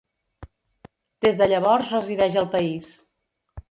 Des de llavors resideix al país.